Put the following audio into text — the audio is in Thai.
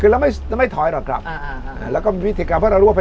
คือเราไม่ไม่ถอยหรอกครับอ่าแล้วก็มีวิธีการเพราะเรารู้ว่าเป็น